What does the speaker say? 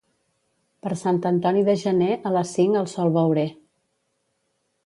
Per Sant Antoni de gener a les cinc el sol veuré.